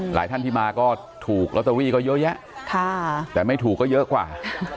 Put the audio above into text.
หลายท่านที่มาก็ถูกลอตเตอรี่ก็เยอะแยะแต่ไม่ถูกก็เยอะกว่า